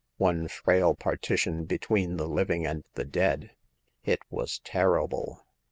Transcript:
One frail partition between the living and the dead ! It was terrible